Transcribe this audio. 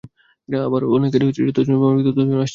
আবার অনেক ক্ষেত্রে যতজনের ভ্রমণে আসার কথা ছিল, ততজন আসছেন না।